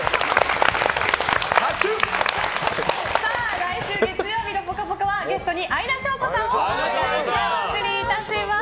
来週月曜日の「ぽかぽか」はゲストに相田翔子さんをお迎えしてお送りいたします。